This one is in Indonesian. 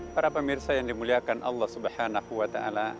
para pemirsa yang dimuliakan allah swt